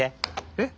えっ？